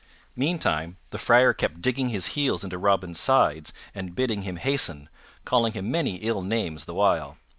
Meantime, the Friar kept digging his heels into Robin's sides and bidding him hasten, calling him many ill names the while.